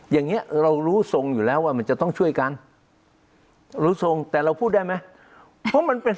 อย่างนี้เรารู้ทรงอยู่แล้วว่ามันจะต้องช่วยกันรู้ทรงแต่เราพูดได้ไหมเพราะมันเป็น